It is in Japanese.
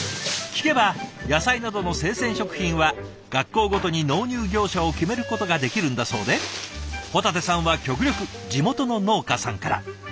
聞けば野菜などの生鮮食品は学校ごとに納入業者を決めることができるんだそうで保立さんは極力地元の農家さんから。